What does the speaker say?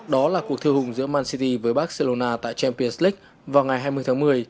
đó là cuộc thi hùng giữa man city với barcelona tại champions leage vào ngày hai mươi tháng một mươi